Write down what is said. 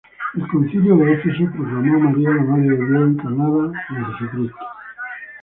El concilio de Éfeso proclamó a María la madre de Dios encarnado en Jesucristo.